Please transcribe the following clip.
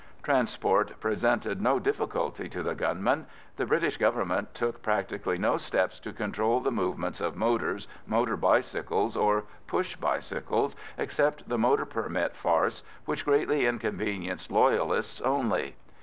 Transport presented no difficulty to the gunmen. The British Government took practically no steps to control the movements of motors, motor bicycles, or push bicycles, except the motor permit farce, which greatly inconvenienced Loyalists only.